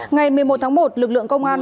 ngày một mươi một tháng một lực lượng công an